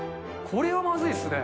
これはまずいっすね。